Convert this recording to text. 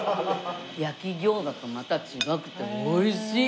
焼餃子とまた違くて美味しい！